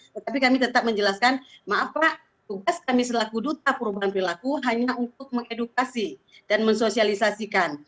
tetapi kami tetap menjelaskan maaf pak tugas kami selaku duta perubahan perilaku hanya untuk mengedukasi dan mensosialisasikan